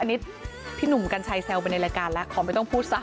อันนี้พี่หนุ่มกัญชัยแซวไปในรายการแล้วขอไม่ต้องพูดซะ